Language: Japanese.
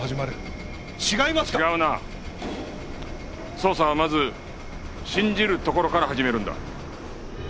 捜査はまず信じるところから始めるんだ。